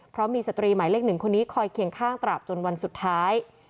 เพราะมีสตรีหมายเลข๑คนนี้คอยเคียงข้างตราบจนวันสุดท้าย